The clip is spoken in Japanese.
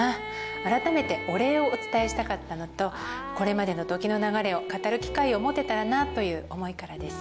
改めてお礼をお伝えしたかったのとこれまでの時の流れを語る機会をもてたらなぁという思いからです。